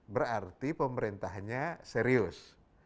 berarti pemerintahnya serius